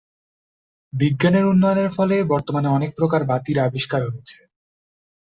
বিজ্ঞানের উন্নয়নের ফলে বর্তমানে অনেক প্রকার বাতির আবিষ্কার হয়েছে।